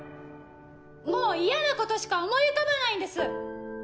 もう嫌なことしか思い浮かばないんです！